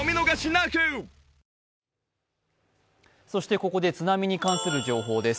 ここで津波に関する情報です。